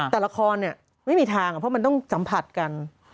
แต่ละครไม่มีทางเพราะมันต้องสัมผัสกัน